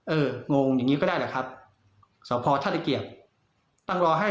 เออกงงอย่างนี้ก็ได้แหละครับสาปฯท่าเดียบต้องรอให้